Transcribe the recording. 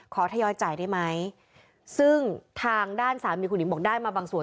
ทยอยจ่ายได้ไหมซึ่งทางด้านสามีคุณหญิงบอกได้มาบางส่วน